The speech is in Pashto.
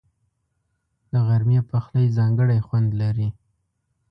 د غرمې پخلی ځانګړی خوند لري